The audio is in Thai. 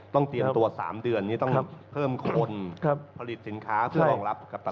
เตรียมตัว๓เดือนนี้ต้องเพิ่มคนผลิตสินค้าเพื่อรองรับกัปตัน